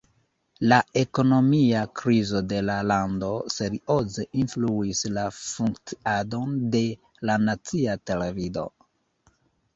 La ekonomia krizo de la lando serioze influis la funkciadon de la nacia televido.